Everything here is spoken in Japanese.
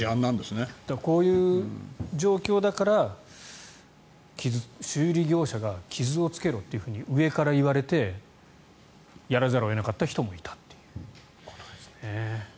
こういう状況だから修理業者が傷をつけろと上から言われてやらざるを得なかった人もいるということですね。